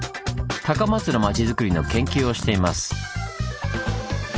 高松の町づくりの研究をしています。